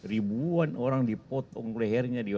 ribuan orang dipotong lehernya